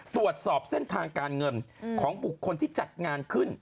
ตรวจสอบเส้นทางการเงินของบุคคลที่จัดงานขึ้น